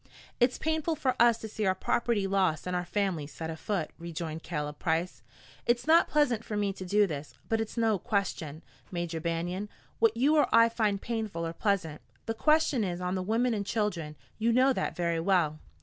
"It's painful for us to see our property lost and our families set afoot," rejoined Caleb Price. "It's not pleasant for me to do this. But it's no question, Major Banion, what you or I find painful or pleasant. The question is on the women and children. You know that very well."